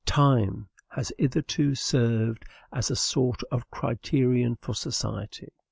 TIME has hitherto served as a sort of criterion for society.